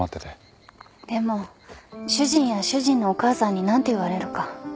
でも主人や主人のお母さんに何て言われるか。